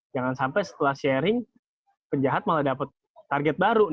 jangan sampai setelah sharing penjahat malah dapat target baru